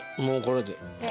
もうこれで。